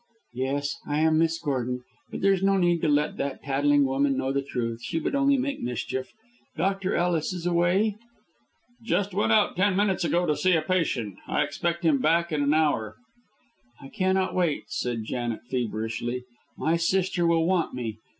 "Yes, I am Miss Gordon. But there is no need to let that tattling woman know the truth, she would only make mischief. Dr. Ellis is away?" "Just went out ten minutes ago to see a patient. I expect him back in an hour." "I cannot wait," said Janet, feverishly. "My sister will want me.